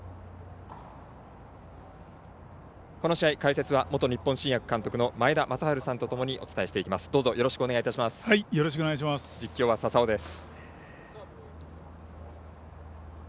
この試合、解説は元日本新薬監督の前田正治さんとともにお伝えしていきます。